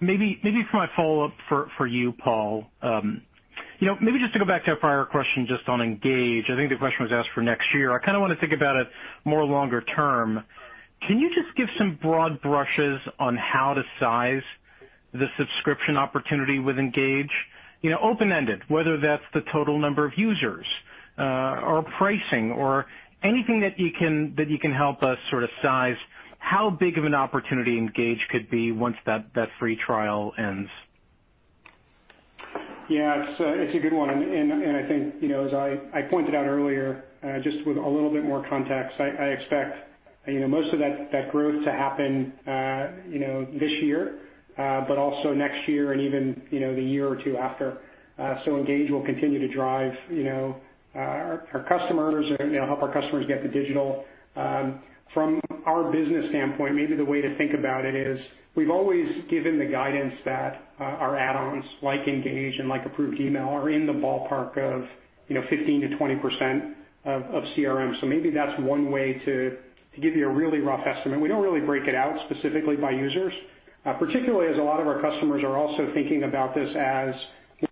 Maybe, maybe for my follow-up for you, Paul, you know, maybe just to go back to a prior question just on Engage. I think the question was asked for next year. I kind of wanna think about it more longer term. Can you just give some broad brushes on how to size the subscription opportunity with Engage? You know, open-ended, whether that's the total number of users, or pricing or anything that you can, that you can help us sort of size how big of an opportunity Engage could be once that free trial ends. Yeah, it's a good one. I think, you know, as I pointed out earlier, just with a little bit more context, I expect, you know, most of that growth to happen, you know, this year, but also next year and even, you know, the year or two after. Engage will continue to drive, you know, our customers or, you know, help our customers get to digital. From our business standpoint, maybe the way to think about it is we've always given the guidance that our add-ons like Engage and like Approved Email are in the ballpark of, you know, 15%-20% of CRM. Maybe that's one way to give you a really rough estimate. We don't really break it out specifically by users, particularly as a lot of our customers are also thinking about this as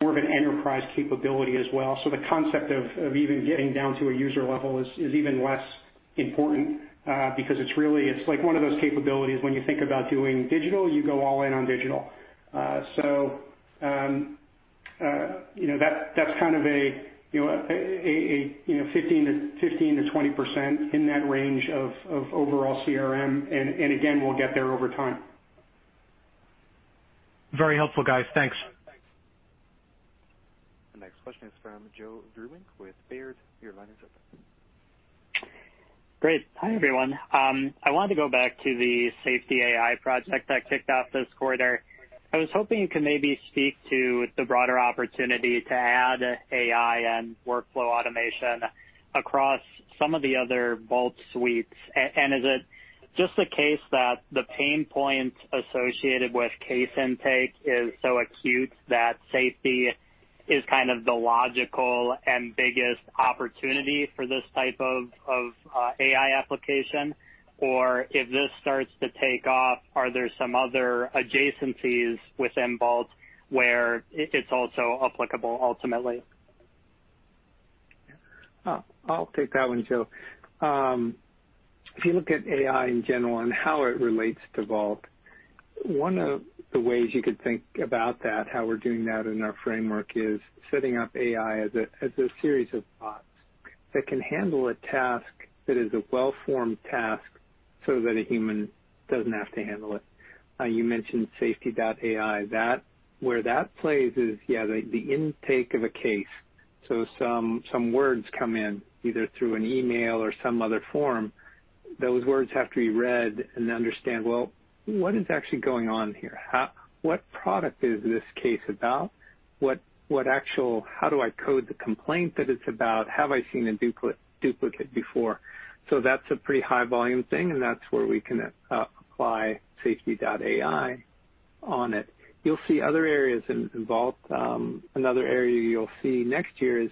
more of an enterprise capability as well. The concept of even getting down to a user level is even less important, because it's really like one of those capabilities when you think about doing digital, you go all in on digital. You know, that's kind of a, you know, a, you know, 15%-20% in that range of overall CRM. Again, we'll get there over time. Very helpful, guys. Thanks. The next question is from Joe Vruwink with Baird. Your line is open. Great. Hi, everyone. I wanted to go back to the Safety.AI project that kicked off this quarter. I was hoping you could maybe speak to the broader opportunity to add AI and workflow automation across some of the other Vault suites. Is it just the case that the pain point associated with case intake is so acute that safety is kind of the logical and biggest opportunity for this type of AI application? If this starts to take off, are there some other adjacencies within Vault where it's also applicable ultimately? I'll take that one, Joe. If you look at AI in general and how it relates to Veeva Vault, one of the ways you could think about that, how we're doing that in our framework, is setting up AI as a series of bots that can handle a task that is a well-formed task so that a human doesn't have to handle it. You mentioned Veeva Vault Safety.AI. Where that plays is, the intake of a case. Some words come in either through an email or some other form. Those words have to be read and understand, well, what is actually going on here? What product is this case about? How do I code the complaint that it's about? Have I seen a duplicate before? That's a pretty high volume thing, and that's where we can apply Veeva Vault Safety.AI on it. You'll see other areas in Veeva Vault. Another area you'll see next year is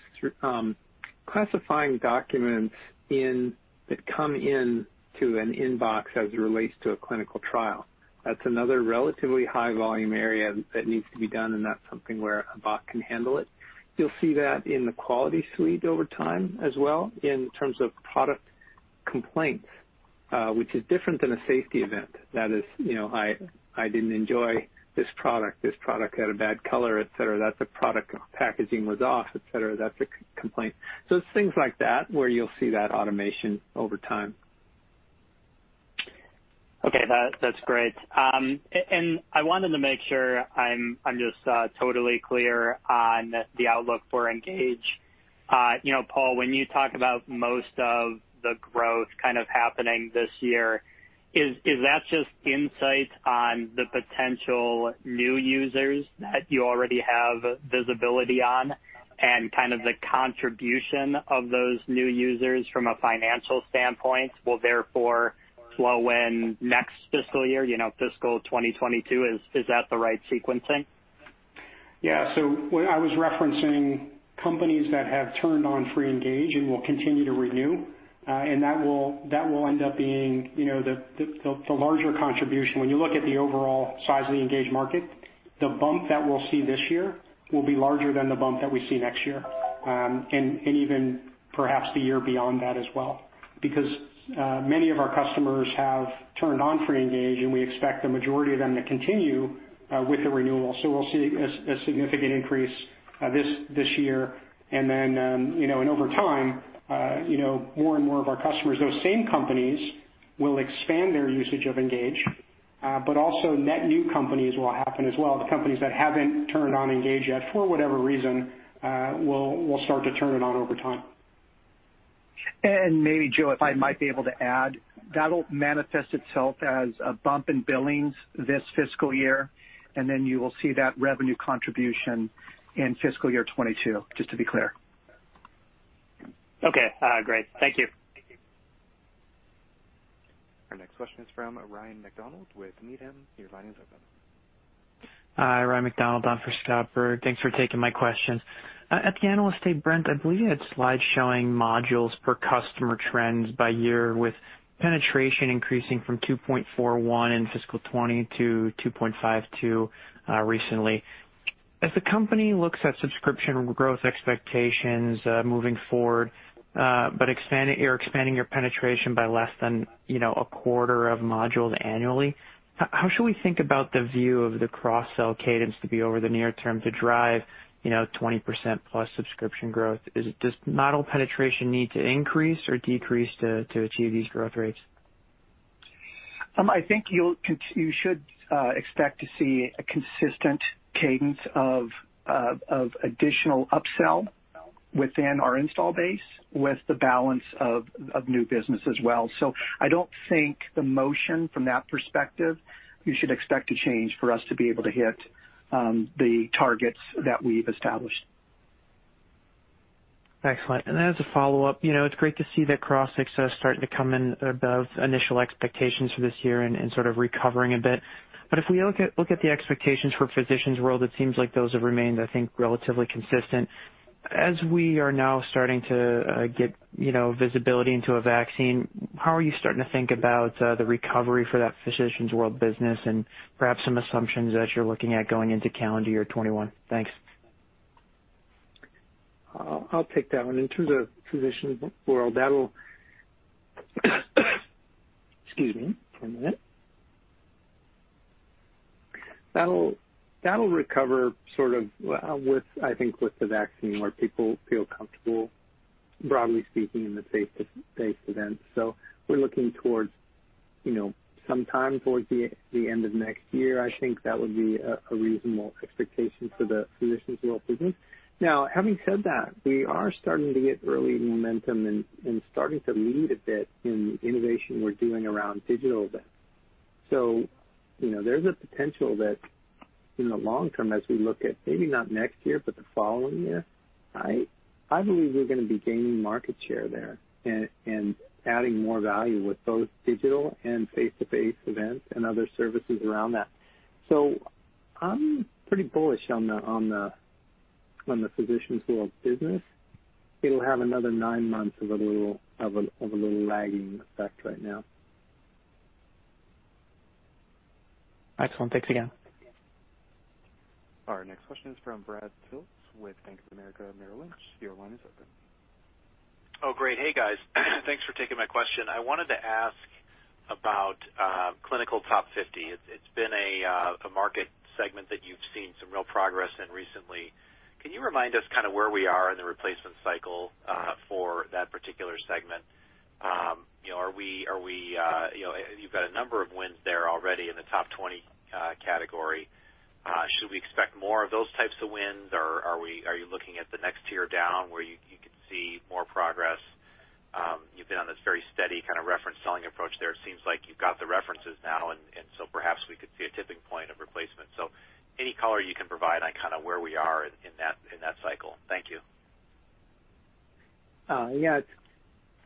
classifying documents that come in to an inbox as it relates to a clinical trial. That's another relatively high volume area that needs to be done, and that's something where a bot can handle it. You'll see that in the quality suite over time as well in terms of product complaints, which is different than a safety event. That is, you know, I didn't enjoy this product. This product had a bad color, et cetera. That the product packaging was off, et cetera. That's a complaint. It's things like that where you'll see that automation over time. That's great. I wanted to make sure I'm just totally clear on the outlook for Engage. You know, Paul, when you talk about most of the growth kind of happening this year, is that just insight on the potential new users that you already have visibility on and kind of the contribution of those new users from a financial standpoint will therefore flow in next fiscal year, you know, fiscal 2022? Is that the right sequencing? When I was referencing companies that have turned on free Engage and will continue to renew, and that will end up being, you know, the larger contribution. When you look at the overall size of the Engage market, the bump that we'll see this year will be larger than the bump that we see next year, and even perhaps the year beyond that as well. Because many of our customers have turned on free Engage, and we expect the majority of them to continue with the renewal. We'll see a significant increase this year. You know, and over time, you know, more and more of our customers, those same companies will expand their usage of Engage, but also net new companies will happen as well. The companies that haven't turned on Engage yet for whatever reason, will start to turn it on over time. Maybe, Joe, if I might be able to add, that'll manifest itself as a bump in billings this fiscal year, and then you will see that revenue contribution in fiscal year 2022, just to be clear. Okay, great. Thank you. Our next question is from Ryan MacDonald with Needham your line is open. Hi, Ryan MacDonald, on for Scott Berg. Thanks for taking my question. At the Analyst Day, Brent, I believe you had slides showing modules per customer trends by year, with penetration increasing from 2.41 in FY 2020 to 2.52 recently. As the company looks at subscription growth expectations moving forward, but you're expanding your penetration by less than, you know, a quarter of modules annually, how should we think about the view of the cross-sell cadence to be over the near term to drive, you know, 20%+ subscription growth? Does model penetration need to increase or decrease to achieve these growth rates? I think you should expect to see a consistent cadence of additional upsell within our install base with the balance of new business as well. I don't think the motion from that perspective, you should expect to change for us to be able to hit the targets that we've established. Excellent. As a follow-up, you know, it's great to see that Crossix starting to come in above initial expectations for this year and sort of recovering a bit. If we look at, look at the expectations for Physicians World, it seems like those have remained, I think, relatively consistent. As we are now starting to get, you know, visibility into a vaccine, how are you starting to think about the recovery for that Physicians World business and perhaps some assumptions that you're looking at going into calendar year 2021? Thanks. I'll take that one. In terms of Physicians World, that'll Excuse me for a minute. That'll recover sort of with, I think with the vaccine where people feel comfortable, broadly speaking, in the face-to-face events. We're looking towards, you know, sometime towards the end of next year. I think that would be a reasonable expectation for the Physicians World business. Having said that, we are starting to get early momentum and starting to lead a bit in innovation we're doing around digital events. You know, there's a potential that in the long term, as we look at maybe not next year, but the following year, I believe we're gonna be gaining market share there and adding more value with both digital and face-to-face events and other services around that. I'm pretty bullish on the Physicians World business. It'll have another nine months of a little lagging effect right now. Excellent. Thanks again. Our next question is from Brad Sills with Bank of America Merrill Lynch. Your line is open. Oh, great. Hey, guys. Thanks for taking my question. I wanted to ask about Clinical Top 50. It's been a market segment that you've seen some real progress in recently. Can you remind us kind of where we are in the replacement cycle for that particular segment? You know, are we, you know You've got a number of wins there already in the top 20 category. Should we expect more of those types of wins, or are you looking at the next tier down where you could see more progress? You've been on this very steady kind of reference selling approach there. It seems like you've got the references now and so perhaps we could see a tipping point of replacement. Any color you can provide on kind of where we are in that cycle. Thank you. Yeah.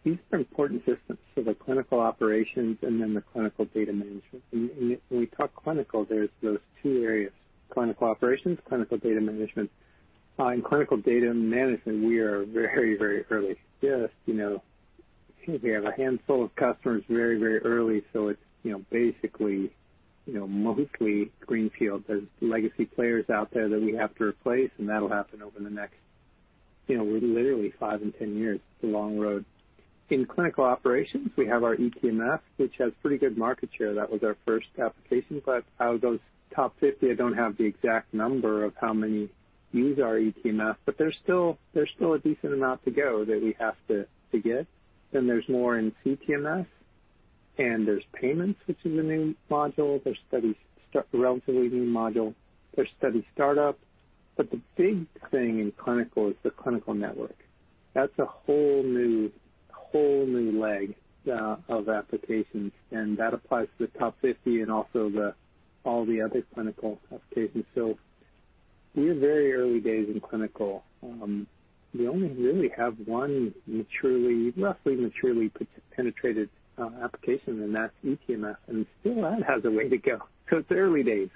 These are important systems for the clinical operations and then the clinical data management. When we talk clinical, there's those two areas, clinical operations, clinical data management. In clinical data management, we are very, very early. Just, you know, we have a handful of customers very, very early, so it's, you know, basically, you know, mostly greenfield. There's legacy players out there that we have to replace, and that'll happen over the next, you know, literally 5 and 10 years. It's a long road. In clinical operations, we have our eTMF, which has pretty good market share. That was our first application. Out of those top 50, I don't have the exact number of how many use our eTMF, but there's still a decent amount to go that we have to get. There's more in CTMS, and there's payments, which is a new module. There's relatively new module. There's study startup. The big thing in clinical is the Clinical Network. That's a whole new, whole new leg of applications, and that applies to the top 50 and also all the other clinical applications. We are very early days in clinical. We only really have one maturely, roughly maturely penetrated application, and that's eTMF, and still that has a way to go. It's early days.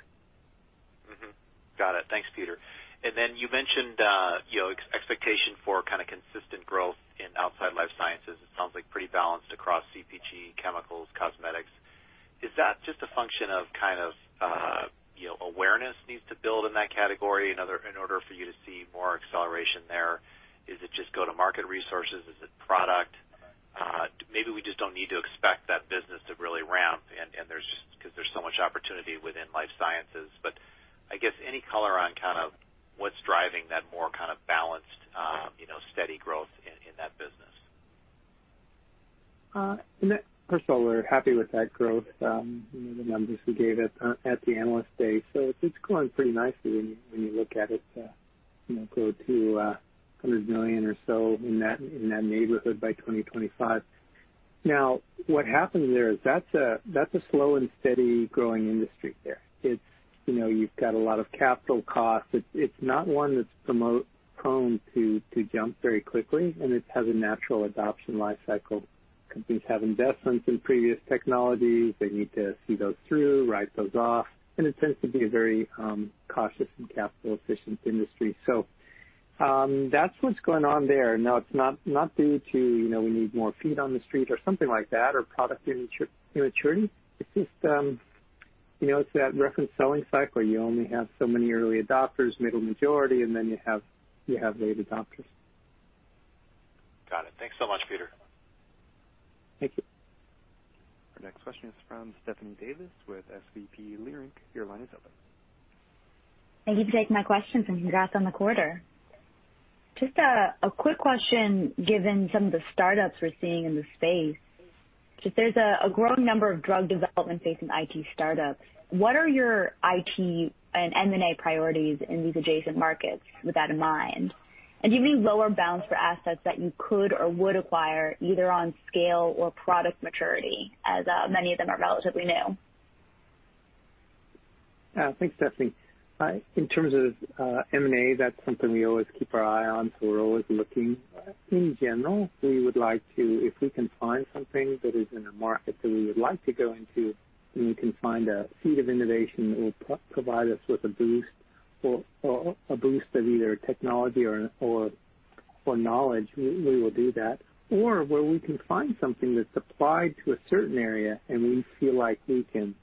Got it. Thanks, Peter. You mentioned, you know, expectation for kind of consistent growth in outside life sciences. It sounds like pretty balanced across CPG, chemicals, cosmetics. Is that just a function of kind of, you know, awareness needs to build in that category in order for you to see more acceleration there? Is it just go-to-market resources? Is it product? Maybe we just don't need to expect that business to really ramp and there's because there's so much opportunity within life sciences. I guess any color on kind of what's driving that more kind of balanced, you know, steady growth in that business. First of all, we're happy with that growth, you know, the numbers we gave at the Analyst Day. It's going pretty nicely when you, when you look at it, you know, grow to $100 million or so in that, in that neighborhood by 2025. What happens there is that's a, that's a slow and steady growing industry there. It's, you know, you've got a lot of capital costs. It's not one that's prone to jump very quickly, and it has a natural adoption life cycle. Companies have investments in previous technologies. They need to see those through, write those off, and it tends to be a very cautious and capital-efficient industry. That's what's going on there. No, it's not due to, you know, we need more feet on the street or something like that, or product immaturity. It's just, you know, it's that reference selling cycle. You only have so many early adopters, middle majority, and then you have late adopters. Got it. Thanks so much, Peter. Thank you. Our next question is from Stephanie Davis with SVB Leerink. Your line is open. Thank you for taking my questions, and congrats on the quarter. Just a quick question, given some of the startups we're seeing in the space. Just there's a growing number of drug development facing IT startups. What are your IT and M&A priorities in these adjacent markets with that in mind? Do you have any lower bounds for assets that you could or would acquire either on scale or product maturity, as many of them are relatively new? Thanks, Stephanie. In terms of M&A, that's something we always keep our eye on. We're always looking. In general, we would like to, if we can find something that is in a market that we would like to go into, and we can find a seed of innovation that will provide us with a boost or a boost of either technology or knowledge, we will do that. Where we can find something that's applied to a certain area and we feel like we can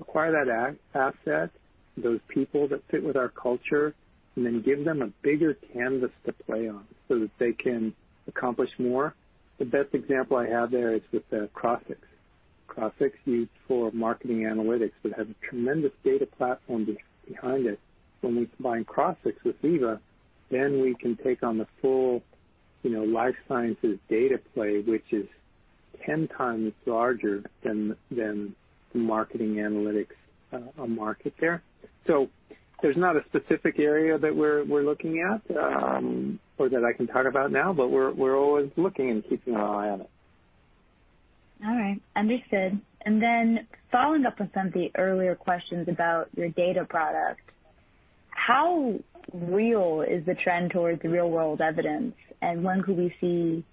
acquire that asset, those people that fit with our culture, and then give them a bigger canvas to play on so that they can accomplish more. The best example I have there is with Crossix. Crossix is full of marketing analytics that has a tremendous data platform behind it. When we combine Crossix with Veeva, we can take on the full, you know, life sciences data play, which is 10 times larger than marketing analytics market there. There's not a specific area that we're looking at, or that I can talk about now, but we're always looking and keeping an eye on it. All right. Understood. Following up with some of the earlier questions about your data product, how real is the trend towards real-world evidence, and when could we see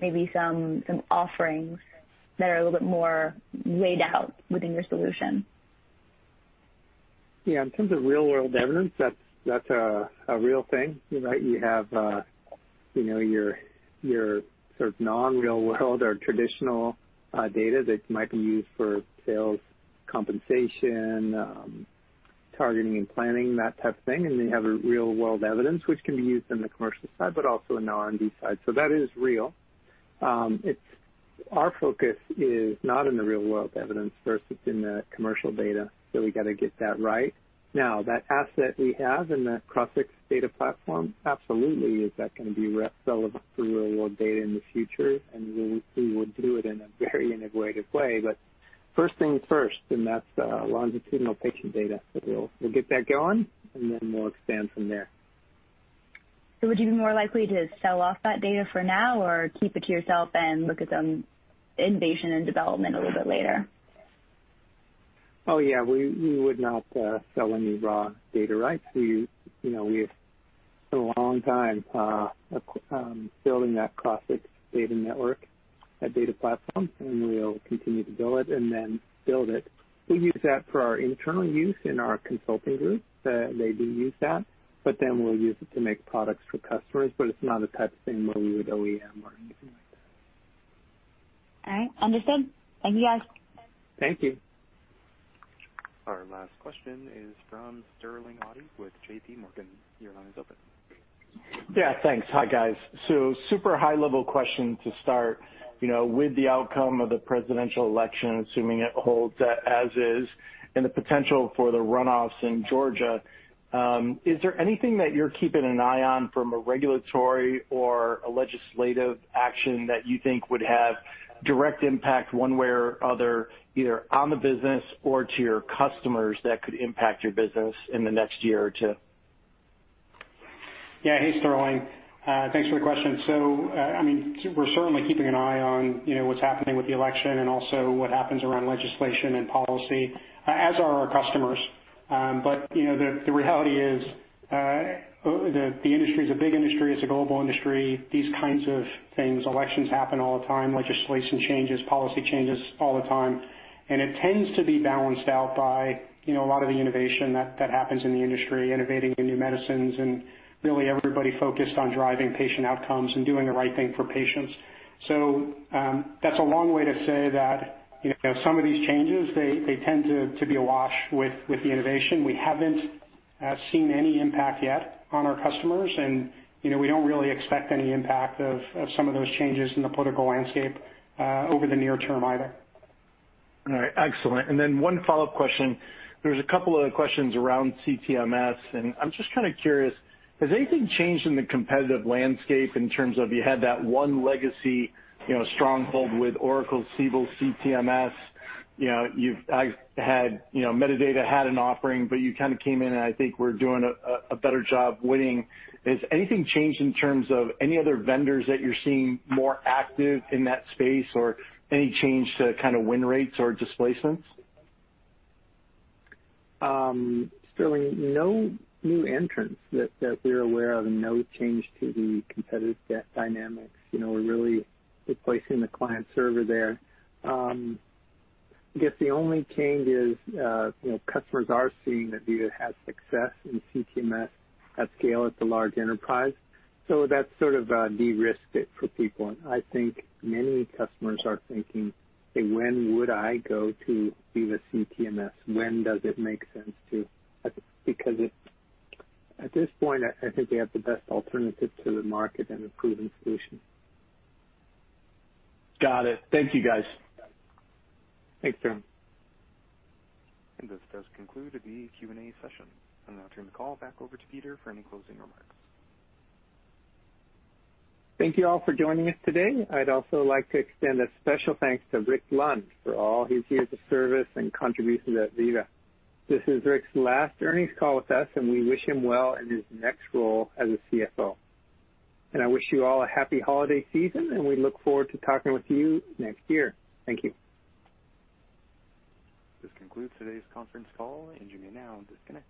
maybe some offerings that are a little bit more laid out within your solution? Yeah. In terms of real-world evidence, that's a real thing, right? You have, you know, your sort of non-real world or traditional data that might be used for sales compensation, targeting and planning, that type of thing, and you have a real-world evidence which can be used in the commercial side but also in R&D side. That is real. Our focus is not in the real-world evidence versus in the commercial data, we gotta get that right. That asset we have in that Crossix data platform absolutely is that gonna be re-relevant for real-world data in the future, and we would do it in a very innovative way. First things first, and that's longitudinal patient data. We'll get that going, and then we'll expand from there. Would you be more likely to sell off that data for now or keep it to yourself and look at some innovation and development a little bit later? Oh, yeah, we would not sell any raw data rights. We, you know, we've spent a long time building that Crossix data network, that data platform, and we'll continue to build it and then build it. We use that for our internal use in our consulting group. They do use that, but then we'll use it to make products for customers, but it's not a type of thing where we would OEM or anything like that. All right. Understood. Thank you, guys. Thank you. Our last question is from Sterling Auty with JPMorgan. Your line is open. Yeah. Thanks. Hi, guys. Super high level question to start. You know, with the outcome of the presidential election, assuming it holds as is, and the potential for the run-offs in Georgia, is there anything that you're keeping an eye on from a regulatory or a legislative action that you think would have direct impact one way or other, either on the business or to your customers that could impact your business in the next year or two? Yeah. Hey, Sterling. Thanks for the question. I mean, we're certainly keeping an eye on, you know, what's happening with the election and also what happens around legislation and policy, as are our customers. You know, the reality is, the industry is a big industry. It's a global industry. These kinds of things, elections happen all the time. Legislation changes, policy changes all the time. It tends to be balanced out by, you know, a lot of the innovation that happens in the industry, innovating in new medicines, and really everybody focused on driving patient outcomes and doing the right thing for patients. That's a long way to say that, you know, some of these changes, they tend to be awash with the innovation. We haven't seen any impact yet on our customers, and, you know, we don't really expect any impact of some of those changes in the political landscape over the near term either. All right. Excellent. One follow-up question. There's a couple of questions around CTMS, and I'm just kind of curious, has anything changed in the competitive landscape in terms of you had that one legacy, you know, stronghold with Oracle Siebel CTMS? You know, I had, you know, Medidata had an offering, but you kind of came in, and I think we're doing a better job winning. Has anything changed in terms of any other vendors that you're seeing more active in that space or any change to kind of win rates or displacements? Sterling, no new entrants that we're aware of, no change to the competitive dynamics. You know, we're really replacing the client server there. I guess the only change is, you know, customers are seeing that Veeva has success in CTMS at scale. It's a large enterprise, so that's sort of de-risked it for people. I think many customers are thinking, "When would I go to Veeva CTMS? When does it make sense to?" Because at this point, I think we have the best alternative to the market and a proven solution. Got it. Thank you, guys. Thanks, Sterling. This does conclude the Q&A session. I'll now turn the call back over to Peter for any closing remarks. Thank you all for joining us today. I'd also like to extend a special thanks to Rick Lund for all his years of service and contributions at Veeva. This is Rick's last earnings call with us, and we wish him well in his next role as a CFO. I wish you all a happy holiday season, and we look forward to talking with you next year. Thank you. This concludes today's conference call. You may now disconnect.